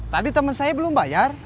tadi teman saya belum bayar